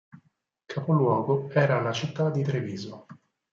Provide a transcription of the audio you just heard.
Capoluogo era la città di Treviso.